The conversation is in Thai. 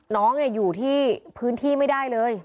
น้องอยู่ที่พื้นที่ไม่ได้เลย